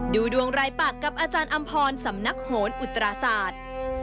ดูดวงรายปากกับอาจารย์อำพรสำนักโหนอุตราศาสตร์